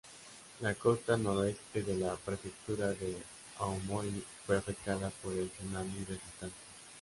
La costa noreste de la prefectura de Aomori fue afectada por el tsunami resultante.